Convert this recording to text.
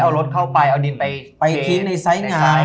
เอารถเข้าไปเอาดินไปเทอดทิ้งในซ้ายงา